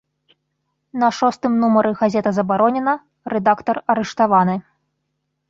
На шостым нумары газета забаронена, рэдактар арыштаваны.